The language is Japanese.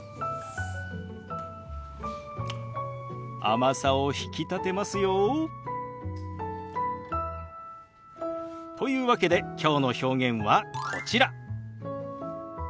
甘さを引き立てますよ。というわけできょうの表現はこちら。